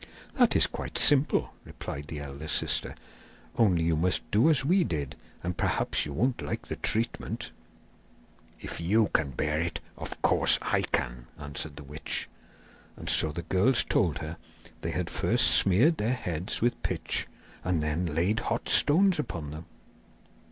'That is quite simple,' replied the elder sister; 'only you must do as we did and perhaps you won't like the treatment.' 'If you can bear it, of course I can,' answered the witch. And so the girls told her they had first smeared their heads with pitch and then laid hot stones upon them.